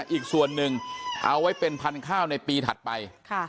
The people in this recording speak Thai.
อีกส่วนหนึ่งเอาไว้เป็นพันธุ์ข้าวในปีถัดไป